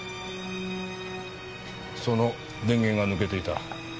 その電源が抜けていた。